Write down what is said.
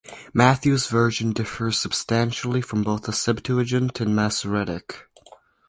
Matthew's version differs substantially from both the Septuagint and Masoretic.